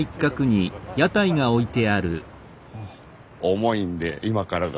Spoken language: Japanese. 重いんで今からが。